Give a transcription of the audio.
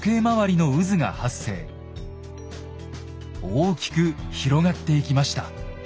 大きく広がっていきました。